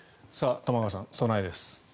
玉川さん、備えです。